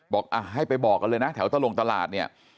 บอกให้ไปบอกกันเลยนะแถวตะลงตลาดเนี่ย